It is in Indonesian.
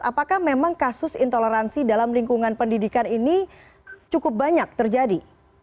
apakah memang kasus intoleransi dalam lingkungan pendidikan ini cukup banyak terjadi